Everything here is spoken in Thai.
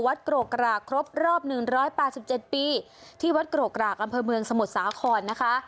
วัดโกรกรากครบรอบ๑๘๗ปีที่วัดโกรกรากอำเภอเมืองสมุทรสาคอนนะคะ